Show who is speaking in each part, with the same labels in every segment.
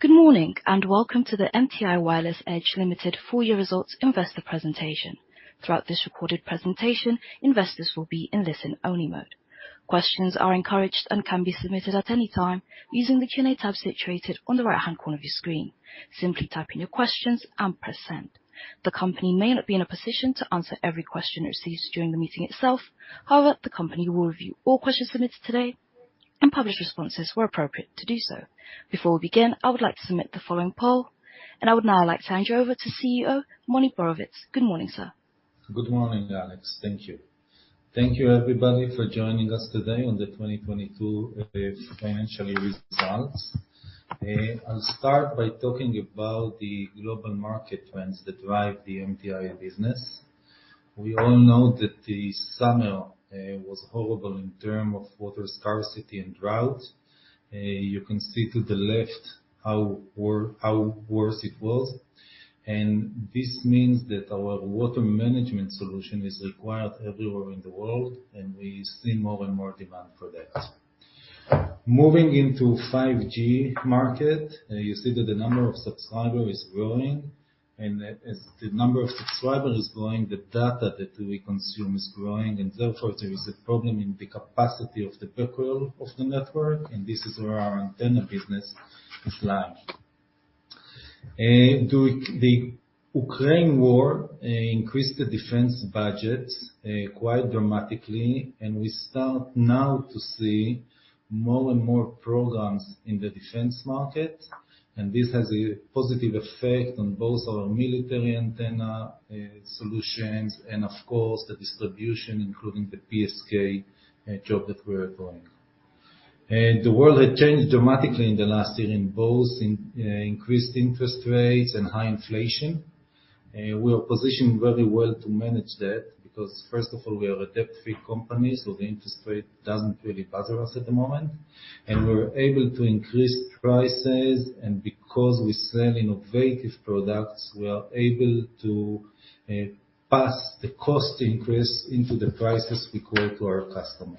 Speaker 1: Good morning, welcome to the M.T.I Wireless Edge Ltd. full year results investor presentation. Throughout this recorded presentation, investors will be in listen-only mode. Questions are encouraged and can be submitted at any time using the Q&A tab situated on the right-hand corner of your screen. Simply type in your questions and press Send. The company may not be in a position to answer every question it receives during the meeting itself, however, the company will review all questions submitted today and publish responses where appropriate to do so. Before we begin, I would like to submit the following poll. I would now like to hand you over to CEO, Moni Borovitz. Good morning, sir.
Speaker 2: Good morning, Alex. Thank you. Thank you everybody for joining us today on the 2022 financial results. I'll start by talking about the global market trends that drive the MTI business. We all know that the summer was horrible in terms of water scarcity and drought. You can see to the left how worse it was. This means that our water management solution is required everywhere in the world, and we see more and more demand for that. Moving into 5G market, you see that the number of subscribers is growing. As the number of subscribers is growing, the data that we consume is growing, and therefore, there is a problem in the capacity of the backhaul of the network, and this is where our antenna business is lying. During the Ukraine War increased the defense budget quite dramatically. We start now to see more and more programs in the defense market, and this has a positive effect on both our military antenna solutions and of course, the distribution, including the PSK job that we're growing. The world had changed dramatically in the last year in both in increased interest rates and high inflation. We are positioned very well to manage that because first of all, we are a debt-free company, so the interest rate doesn't really bother us at the moment. We're able to increase prices, and because we sell innovative products, we are able to pass the cost increase into the prices we quote to our customer.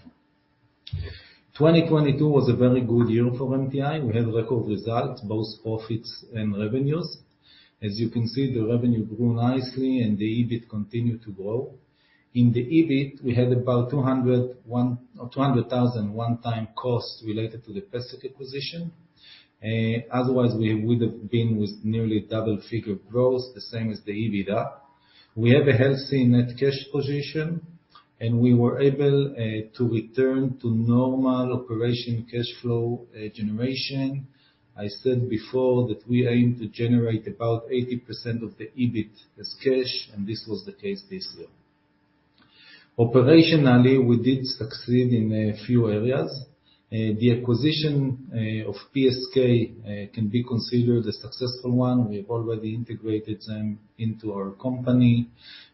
Speaker 2: 2022 was a very good year for MTI. We have record results, both profits and revenues. As you can see, the revenue grew nicely and the EBIT continue to grow. In the EBIT, we had about $200,000 one-time cost related to the PSK acquisition. Otherwise, we would've been with nearly double-figure growth, the same as the EBITDA. We have a healthy net cash position, and we were able to return to normal operation cashflow generation. I said before that we aim to generate about 80% of the EBIT as cash, and this was the case this year. Operationally, we did succeed in a few areas. The acquisition of PSK can be considered a successful one. We have already integrated them into our company.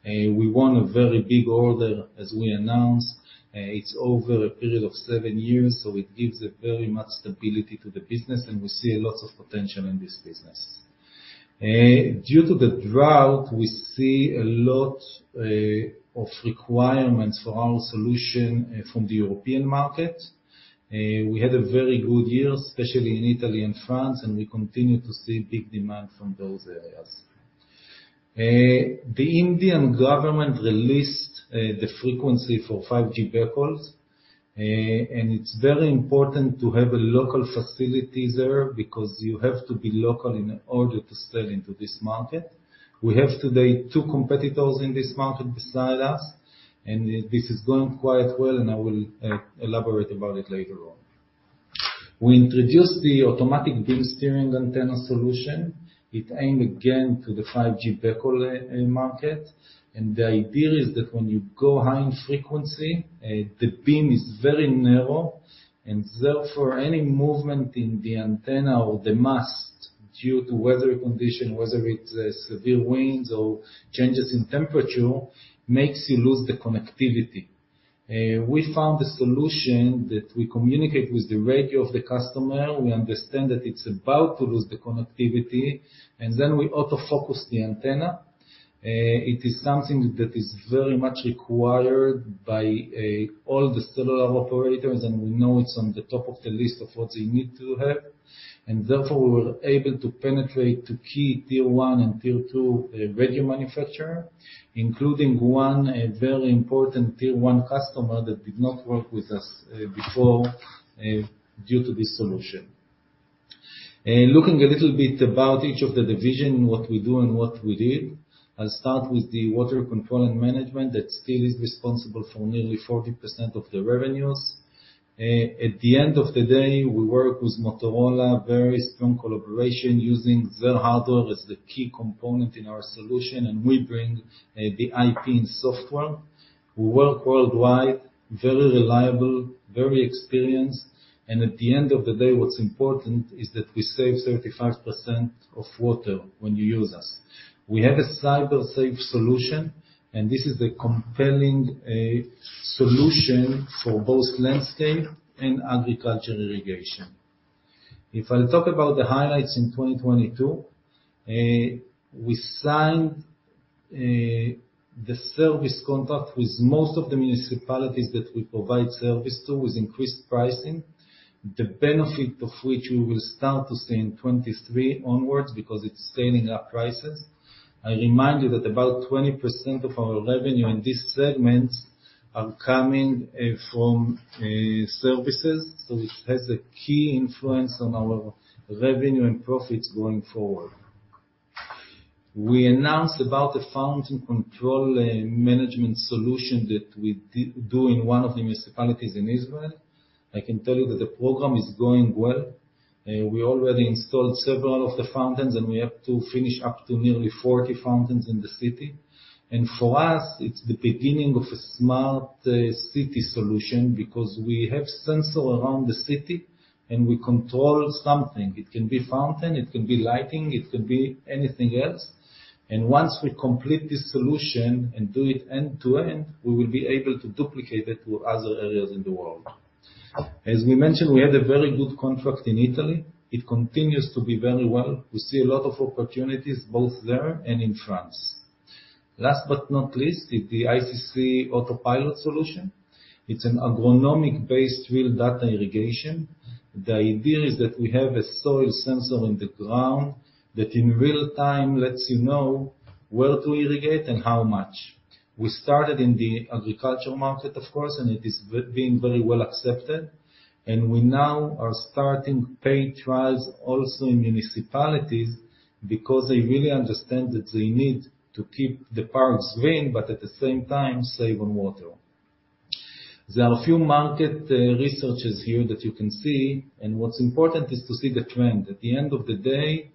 Speaker 2: We won a very big order, as we announced. It's over a period of seven years, it gives a very much stability to the business and we see lots of potential in this business. Due to the drought, we see a lot of requirements for our solution from the European market. We had a very good year, especially in Italy and France, we continue to see big demand from those areas. The Indian government released the frequency for 5G backhauls. It's very important to have a local facility there because you have to be local in order to sell into this market. We have today two competitors in this market beside us, this is going quite well and I will elaborate about it later on. We introduced the Automatic Beam Steering antenna solution. It aim again to the 5G backhaul market. The idea is that when you go high in frequency, the beam is very narrow and therefore any movement in the antenna or the mast due to weather condition, whether it's severe winds or changes in temperature, makes you lose the connectivity. We found a solution that we communicate with the radio of the customer. We understand that it's about to lose the connectivity, and then we auto-focus the antenna. It is something that is very much required by all the cellular operators, and we know it's on the top of the list of what they need to have. Therefore, we were able to penetrate to key tier one and tier two radio manufacturer, including one very important tier one customer that did not work with us before due to this solution. Looking a little bit about each of the division, what we do and what we did, I'll start with the water control and management that still is responsible for nearly 40% of the revenues. At the end of the day, we work with Motorola, very strong collaboration using their hardware as the key component in our solution and we bring the IP and software. We work worldwide, very reliable, very experienced. At the end of the day, what's important is that we save 35% of water when you use us. We have a cyber safe solution, this is the compelling solution for both landscape and agriculture irrigation. If I'll talk about the highlights in 2022, the service contract with most of the municipalities that we provide service to is increased pricing. The benefit of which we will start to see in 2023 onwards because it's scaling up prices. I remind you that about 20% of our revenue in this segment are coming from services, so it has a key influence on our revenue and profits going forward. We announced about the fountain control management solution that we do, doing one of the municipalities in Israel. I can tell you that the program is going well. We already installed several of the fountains, and we have to finish up to nearly 40 fountains in the city. For us, it's the beginning of a smart city solution because we have sensor around the city and we control something. It can be fountain, it can be lighting, it can be anything else. Once we complete this solution and do it end to end, we will be able to duplicate it to other areas in the world. As we mentioned, we had a very good contract in Italy. It continues to be very well. We see a lot of opportunities both there and in France. Last but not least, is the ICC Autopilot solution. It's an agronomic-based real data irrigation. The idea is that we have a soil sensor in the ground that in real-time lets you know where to irrigate and how much. We started in the agricultural market, of course, and it is being very well accepted. We now are starting paid trials also in municipalities because they really understand that they need to keep the parks green, but at the same time, save on water. There are a few market researches here that you can see. What's important is to see the trend. At the end of the day,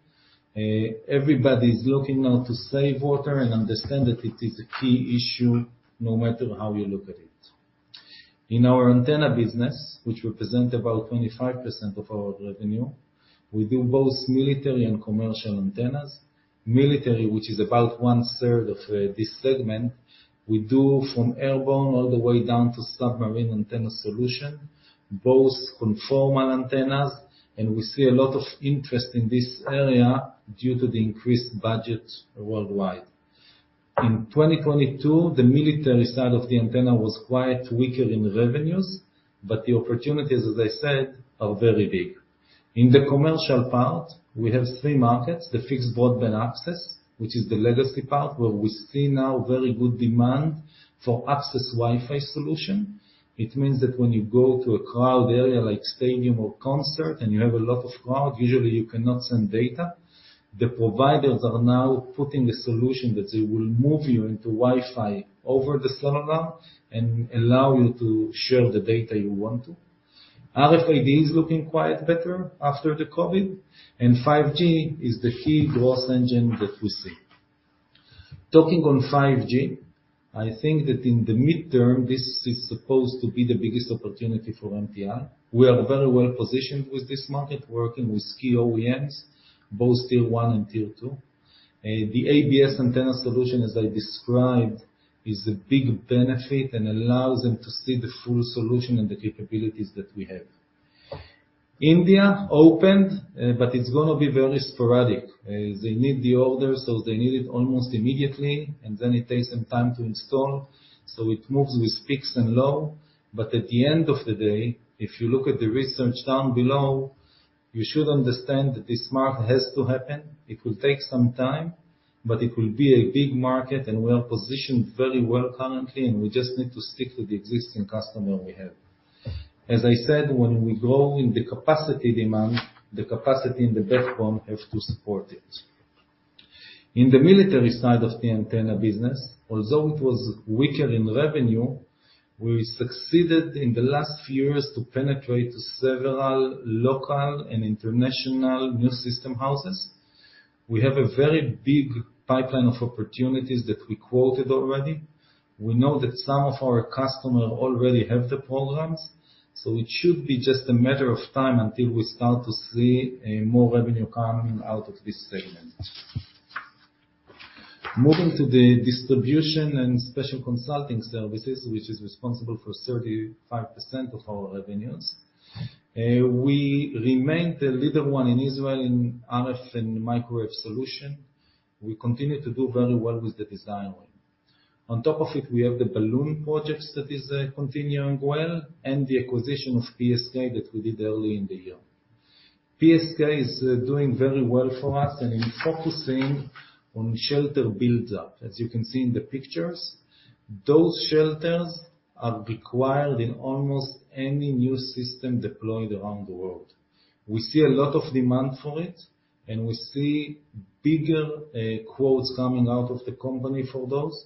Speaker 2: everybody is looking now to save water and understand that it is a key issue no matter how you look at it. In our antenna business, which represent about 25% of our revenue, we do both military and commercial antennas. Military, which is about 1/3 of this segment, we do from airborne all the way down to submarine antenna solution, both conformal antennas, and we see a lot of interest in this area due to the increased budget worldwide. In 2022, the military side of the antenna was quite weaker in revenues. The opportunities, as I said, are very big. In the commercial part, we have three markets: the fixed broadband access, which is the legacy part, where we see now very good demand for access Wi-Fi solution. It means that when you go to a crowd area like stadium or concert and you have a lot of crowd, usually you cannot send data. The providers are now putting a solution that they will move you into Wi-Fi over the cellular and allow you to share the data you want to. RFID is looking quite better after the COVID. 5G is the key growth engine that we see. Talking on 5G, I think that in the midterm, this is supposed to be the biggest opportunity for MTI. We are very well-positioned with this market, working with key OEMs, both tier one and tier two. The ABS antenna solution, as I described, is a big benefit and allows them to see the full solution and the capabilities that we have. India opened, but it's gonna be very sporadic. They need the order, so they need it almost immediately, and then it takes some time to install, so it moves with peaks and low. At the end of the day, if you look at the research down below, you should understand that this market has to happen. It will take some time, but it will be a big market and we are positioned very well currently, and we just need to stick with the existing customer we have. As I said, when we grow in the capacity demand, the capacity in the backbone have to support it. In the military side of the antenna business, although it was weaker in revenue, we succeeded in the last few years to penetrate several local and international new system houses. We have a very big pipeline of opportunities that we quoted already. We know that some of our customer already have the programs, so it should be just a matter of time until we start to see more revenue coming out of this segment. Moving to the distribution and special consulting services, which is responsible for 35% of our revenues. We remain the leader one in Israel in RF and microwave solution. We continue to do very well with the design win. On top of it, we have the balloon projects that is continuing well, and the acquisition of PSK that we did early in the year. PSK is doing very well for us and in focusing on shelter buildup. As you can see in the pictures, those shelters are required in almost any new system deployed around the world. We see a lot of demand for it, and we see bigger quotes coming out of the company for those.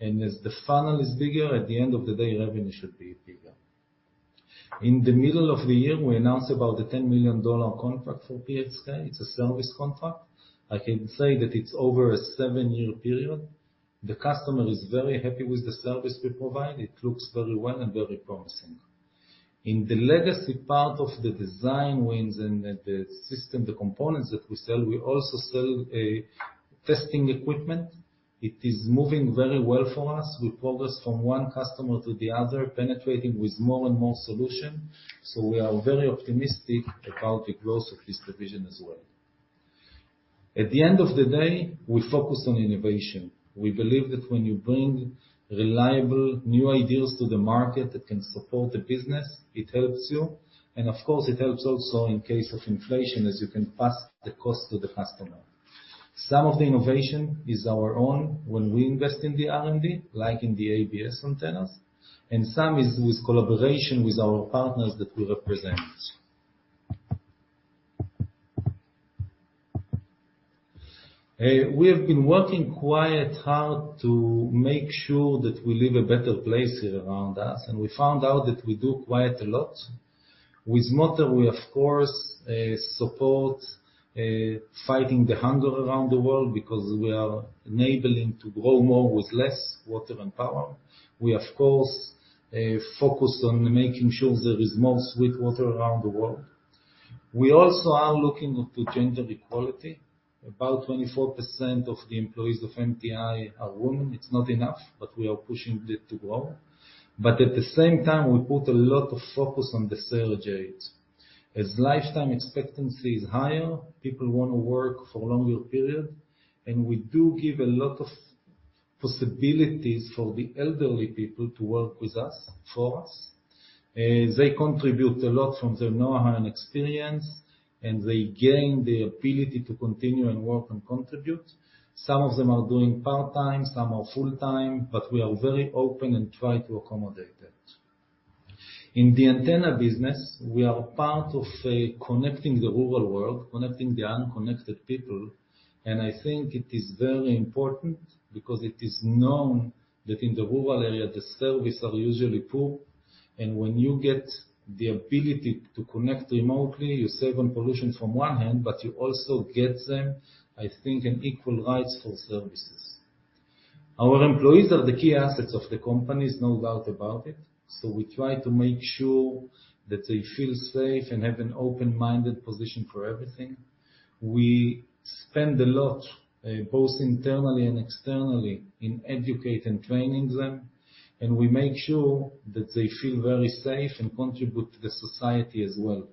Speaker 2: As the funnel is bigger, at the end of the day, revenue should be bigger. In the middle of the year, we announced about the $10 million contract for PSK. It's a service contract. I can say that it's over a seven-year period. The customer is very happy with the service we provide. It looks very well and very promising. In the legacy part of the design wins and the system, the components that we sell, we also sell testing equipment. It is moving very well for us. We progress from one customer to the other, penetrating with more and more solution. We are very optimistic about the growth of this division as well. At the end of the day, we focus on innovation. We believe that when you bring reliable new ideas to the market that can support the business, it helps you. Of course it helps also in case of inflation, as you can pass the cost to the customer. Some of the innovation is our own when we invest in the R&D, like in the ABS antennas, and some is with collaboration with our partners that we represent. We have been working quite hard to make sure that we leave a better place here around us, and we found out that we do quite a lot. With water, we of course support fighting the hunger around the world because we are enabling to grow more with less water and power. We of course focus on making sure there is more sweet water around the world. We also are looking into gender equality. About 24% of the employees of MTI are women. It's not enough, but we are pushing it to grow. At the same time, we put a lot of focus on the third gender. As lifetime expectancy is higher, people wanna work for longer period, and we do give a lot of possibilities for the elderly people to work with us, for us. They contribute a lot from their know-how and experience, and they gain the ability to continue and work and contribute. Some of them are doing part-time, some are full-time. We are very open and try to accommodate that. In the antenna business, we are part of connecting the rural world, connecting the unconnected people. I think it is very important because it is known that in the rural area, the service are usually poor. When you get the ability to connect remotely, you save on pollution from one hand, but you also get them, I think, an equal rights for services. Our employees are the key assets of the company, is no doubt about it. We try to make sure that they feel safe and have an open-minded position for everything. We spend a lot, both internally and externally in educate and training them. We make sure that they feel very safe and contribute to the society as well.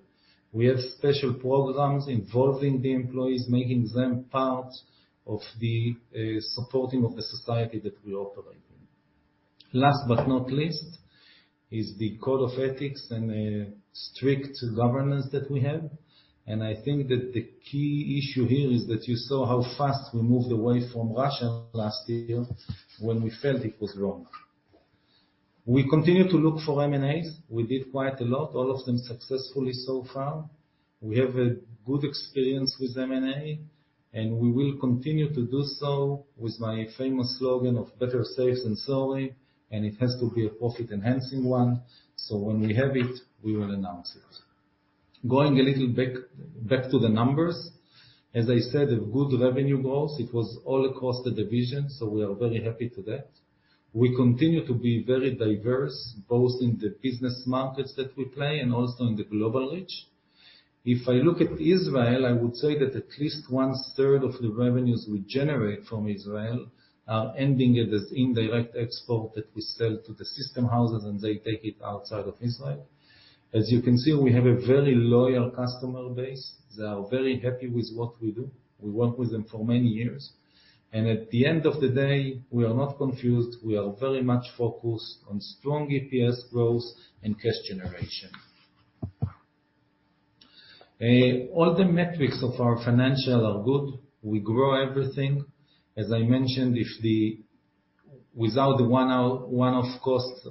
Speaker 2: We have special programs involving the employees, making them part of the supporting of the society that we operate in. Last but not least is the code of ethics and strict governance that we have. I think that the key issue here is that you saw how fast we moved away from Russia last year when we felt it was wrong. We continue to look for M&As. We did quite a lot, all of them successfully so far. We have a good experience with M&A, and we will continue to do so with my famous slogan of better safe than sorry, and it has to be a profit-enhancing one. When we have it, we will announce it. Going a little back to the numbers. As I said, a good revenue growth. It was all across the division, so we are very happy to that. We continue to be very diverse, both in the business markets that we play and also in the global reach. If I look at Israel, I would say that at least 1/3 of the revenues we generate from Israel are ending at the indirect export that we sell to the system houses and they take it outside of Israel. As you can see, we have a very loyal customer base. They are very happy with what we do. We work with them for many years. At the end of the day, we are not confused. We are very much focused on strong EPS growth and cash generation. All the metrics of our financial are good. We grow everything. As I mentioned, Without the one-off cost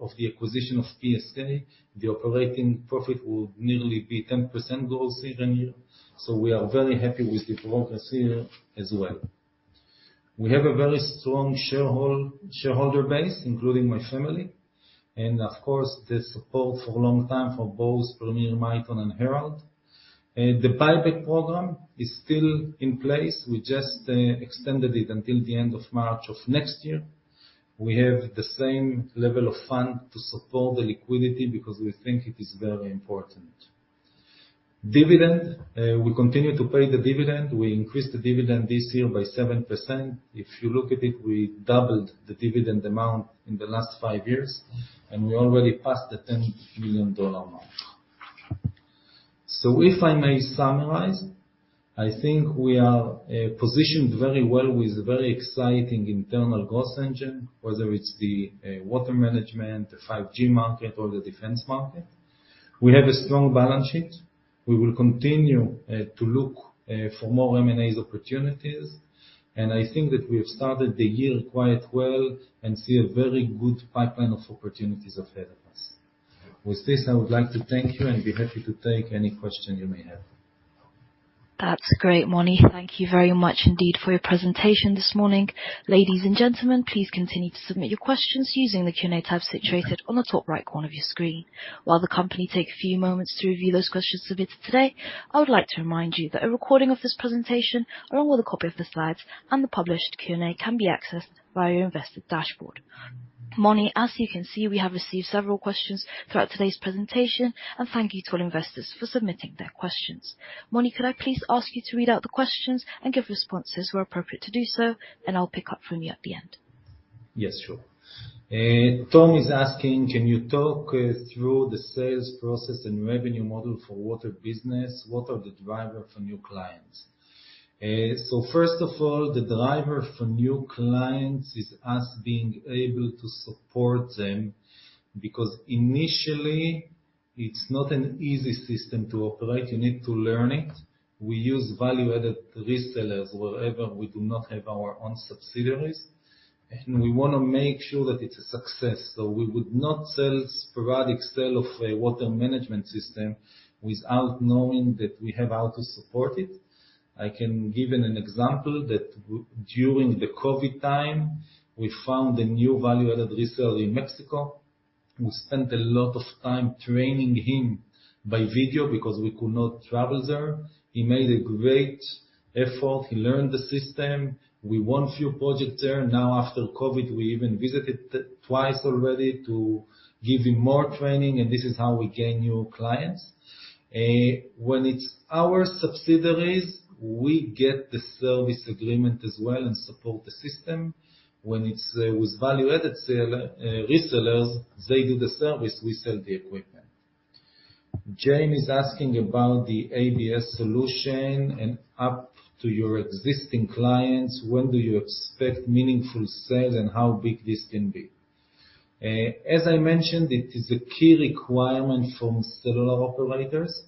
Speaker 2: of the acquisition of PSK, the operating profit would nearly be 10% growth even here. We are very happy with the progress here as well. We have a very strong shareholder base, including my family, and of course, the support for a long time for both Premier Milton and Herald. The buyback program is still in place. We just extended it until the end of March of next year. We have the same level of fund to support the liquidity because we think it is very important. Dividend, we continue to pay the dividend. We increased the dividend this year by 7%. If you look at it, we doubled the dividend amount in the last five years, and we already passed the $10 million mark. If I may summarize, I think we are positioned very well with very exciting internal growth engine, whether it's the water management, the 5G market, or the defense market. We have a strong balance sheet. We will continue to look for more M&As opportunities. I think that we have started the year quite well and see a very good pipeline of opportunities ahead of us. With this, I would like to thank you and be happy to take any question you may have.
Speaker 1: That's great, Moni. Thank you very much indeed for your presentation this morning. Ladies and gentlemen, please continue to submit your questions using the Q&A tab situated on the top right corner of your screen. While the company take a few moments to review those questions submitted today, I would like to remind you that a recording of this presentation, along with a copy of the slides and the published Q&A, can be accessed via investor dashboard. Moni, as you can see, we have received several questions throughout today's presentation, and thank you to all investors for submitting their questions. Moni, could I please ask you to read out the questions and give responses where appropriate to do so, and I'll pick up from you at the end.
Speaker 2: Yes, sure. Tom is asking, "Can you talk through the sales process and revenue model for water business? What are the driver for new clients?" First of all, the driver for new clients is us being able to support them, because initially it's not an easy system to operate. You need to learn it. We use value-added resellers wherever we do not have our own subsidiaries, and we wanna make sure that it's a success. We would not sell sporadic sale of a water management system without knowing that we have how to support it. I can give an example that during the COVID time, we found a new value-added reseller in Mexico, who spent a lot of time training him by video because we could not travel there. He made a great effort. He learned the system. We won few projects there. After COVID, we even visited twice already to give him more training. This is how we gain new clients. When it's our subsidiaries, we get the service agreement as well and support the system. When it's with value-added sale resellers, they do the service, we sell the equipment. Jane is asking about the ABS solution and up to your existing clients, when do you expect meaningful sales and how big this can be? As I mentioned, it is a key requirement from cellular operators.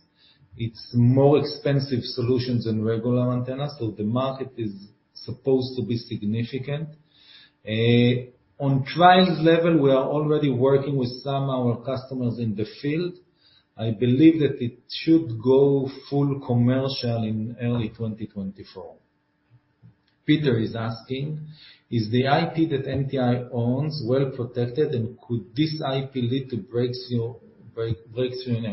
Speaker 2: It's more expensive solutions than regular antennas. The market is supposed to be significant. On trials level, we are already working with some our customers in the field. I believe that it should go full commercial in early 2024. Peter is asking, "Is the IP that MTI owns well protected, and could this IP lead to breakthrough in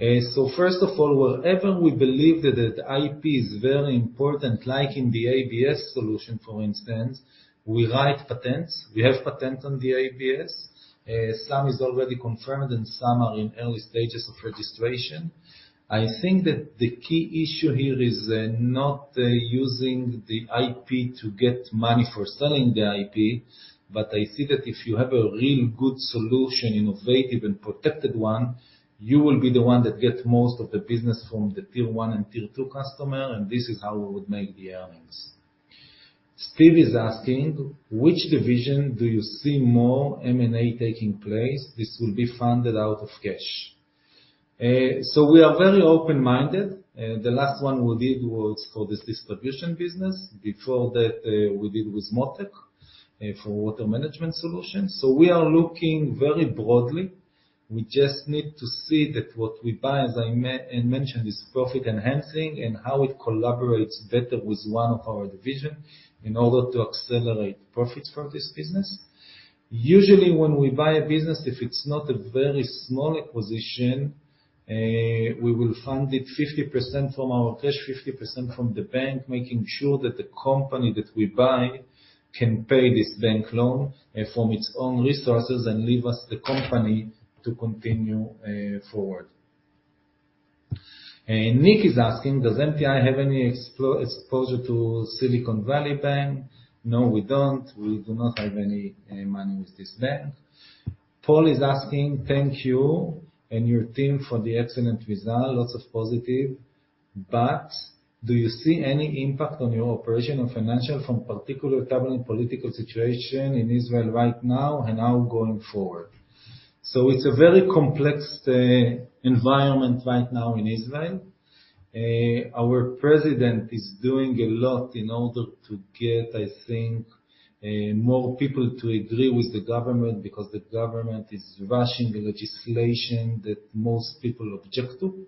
Speaker 2: earnings?" First of all, wherever we believe that IP is very important, like in the ABS solution, for instance, we write patents. We have patent on the ABS. Some is already confirmed and some are in early stages of registration. I think that the key issue here is not using the IP to get money for selling the IP, but I see that if you have a real good solution, innovative and protected one, you will be the one that gets most of the business from the tier one and tier two customer, and this is how we would make the earnings. Steve is asking, "Which division do you see more M&A taking place? This will be funded out of cash." We are very open-minded. The last one we did was for this distribution business. Before that, we did with Mottech, for water management solutions. We are looking very broadly. We just need to see that what we buy, as I mentioned, is profit-enhancing and how it collaborates better with one of our division in order to accelerate profits for this business. Usually, when we buy a business, if it's not a very small acquisition, we will fund it 50% from our cash, 50% from the bank, making sure that the company that we buy can pay this bank loan, from its own resources and leave us the company to continue, forward. Nick is asking, "Does MTI have any exposure to Silicon Valley Bank?" No, we don't. We do not have any money with this bank. Paul is asking, "Thank you and your team for the excellent result. Lots of positive. But do you see any impact on your operation or financial from particular turbulent political situation in Israel right now and now going forward?" It's a very complex environment right now in Israel. Our president is doing a lot in order to get, I think, more people to agree with the government because the government is rushing the legislation that most people object to.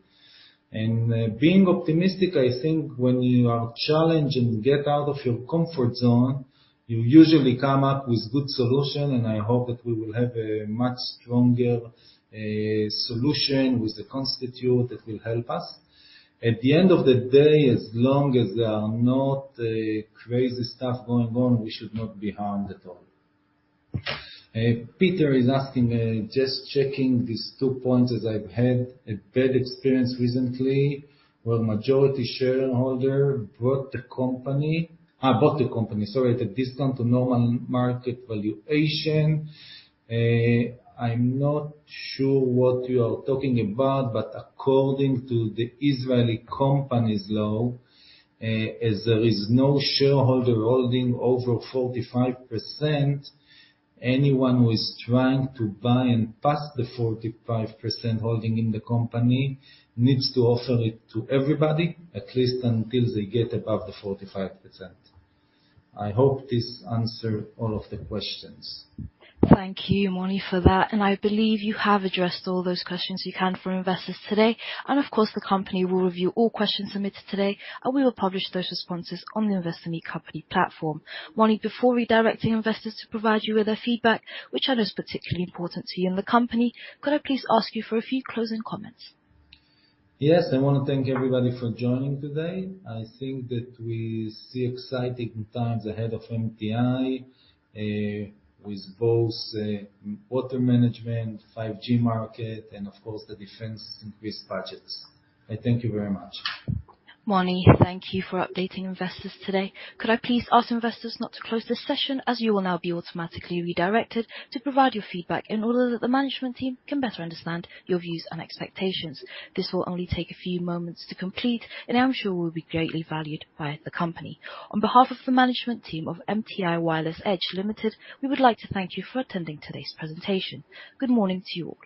Speaker 2: Being optimistic, I think when you are challenged and get out of your comfort zone, you usually come up with good solution, and I hope that we will have a much stronger solution with the constitute that will help us. At the end of the day, as long as there are not crazy stuff going on, we should not be harmed at all. Peter is asking, "Just checking these two points as I've had a bad experience recently where majority shareholder bought the company..." sorry, "At a discount to normal market valuation." I'm not sure what you are talking about, but according to the Israeli companies law, as there is no shareholder holding over 45%, anyone who is trying to buy and pass the 45% holding in the company needs to offer it to everybody, at least until they get above the 45%. I hope this answer all of the questions.
Speaker 1: Thank you, Moni, for that. I believe you have addressed all those questions you can for investors today. Of course, the company will review all questions submitted today, and we will publish those responses on the Investor Meet Company platform. Moni, before redirecting investors to provide you with their feedback, which item is particularly important to you and the company, could I please ask you for a few closing comments?
Speaker 2: Yes. I wanna thank everybody for joining today. I think that we see exciting times ahead of MTI, with both water management, 5G market and of course, the defense increased budgets. I thank you very much.
Speaker 1: Moni, thank you for updating investors today. Could I please ask investors not to close this session, as you will now be automatically redirected to provide your feedback in order that the management team can better understand your views and expectations. This will only take a few moments to complete, and I'm sure will be greatly valued by the company. On behalf of the management team of M.T.I Wireless Edge Ltd., we would like to thank you for attending today's presentation. Good morning to you all.